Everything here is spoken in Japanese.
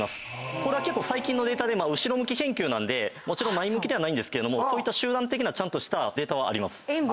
これは結構最近のデータで後ろ向き研究なんでもちろん前向きではないんですけども集団的なちゃんとしたデータはあります。